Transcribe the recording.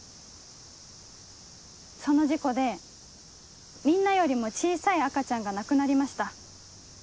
その事故でみんなよりも小さい赤ちゃんが亡くなりました。